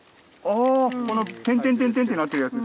この点々点々ってなってるやつ？